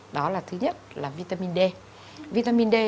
đó là thứ nhất là vitamin d